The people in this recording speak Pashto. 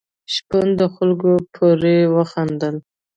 شپون په خلکو پورې وخندل.